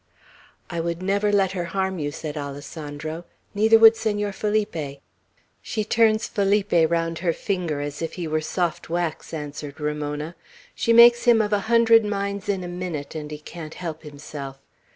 "I would never let her harm you," said Alessandro. "Neither would Senor Felipe." "She turns Felipe round her finger as if he were soft wax," answered Ramona. "She makes him of a hundred minds in a minute, and he can't help himself.